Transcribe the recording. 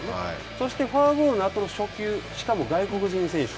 そして、フォアボールのあとの初球、しかも、外国人選手。